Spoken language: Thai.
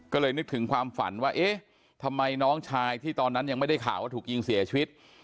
ก็เลยนึกถึงความฝันว่าเอ๊ะทำไมน้องชายที่ตอนนั้นยังไม่ได้ข่าวว่าถูกยิงเสียชีวิต